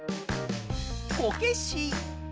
こけし。